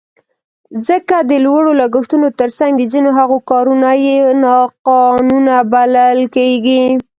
ځکه د لوړو لګښتونو تر څنګ د ځینو هغو کارونه یې ناقانونه بلل کېږي.